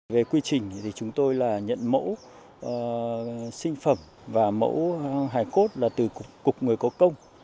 về quy trình thì chúng tôi là nhận mẫu sinh phẩm và mẫu hải cốt là từ cục người có công